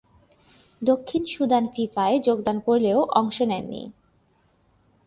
দক্ষিণ সুদান ফিফায় যোগদান করলেও অংশ নেয়নি।